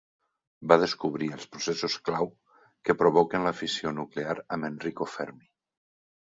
Va descobrir els processos clau que provoquen la fissió nuclear amb Enrico Fermi.